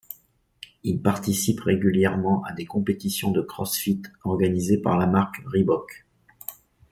Il participe régulièrement à des compétitions de crossfit organisées par la marque Reebok.